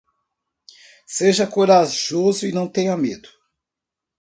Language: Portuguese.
Seja corajoso e não tenha medo.